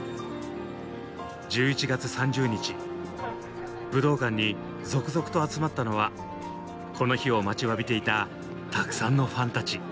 １１月３０日武道館に続々と集まったのはこの日を待ちわびていたたくさんのファンたち。